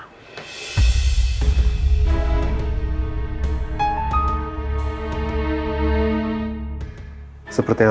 seperti yang aku bilang tadi aku hanya ingin kasih peringatan